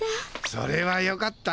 それはよかった。